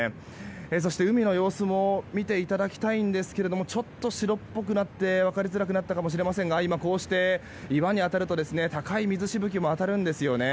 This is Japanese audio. そして、海の様子も見ていただきたいんですがちょっと白っぽくなって分かりづらくなったかもしれませんが岩に当たると高い水しぶきも当たるんです。